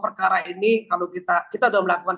perkara ini kalau kita kita sudah melakukan